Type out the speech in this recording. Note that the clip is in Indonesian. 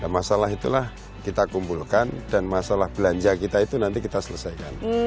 masalah itulah kita kumpulkan dan masalah belanja kita itu nanti kita selesaikan